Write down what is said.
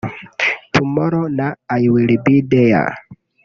Tomorrow na I Will Be There